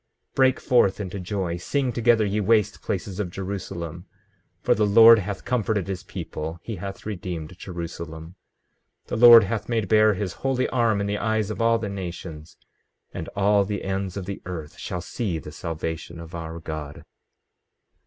15:30 Break forth into joy, sing together, ye waste places of Jerusalem; for the Lord hath comforted his people, he hath redeemed Jerusalem. 15:31 The Lord hath made bare his holy arm in the eyes of all the nations; and all the ends of the earth shall see the salvation of our God.